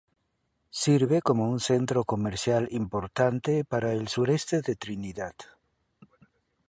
Sirve como un centro comercial importante para el sureste de Trinidad.